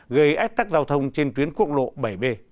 gây ách tắc giao thông trên tuyến quốc lộ bảy b